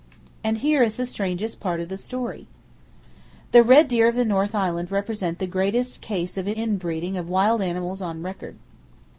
And here is the strangest part of the story: The red deer of the North Island represent the greatest case of in and in breeding of wild animals on record.